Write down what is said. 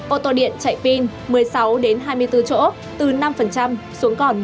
ô tô điện chạy pin một mươi sáu đến hai mươi bốn chỗ từ năm xuống còn một